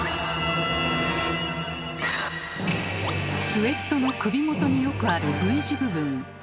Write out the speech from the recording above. スウェットの首元によくあるＶ字部分。